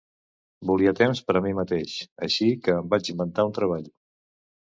Volia temps per a mi mateix, així que em vaig inventar un treball.